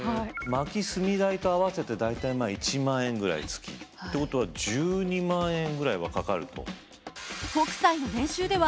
薪・炭代と合わせて大体１万円ぐらい月。ってことは１２万円ぐらいはかかると。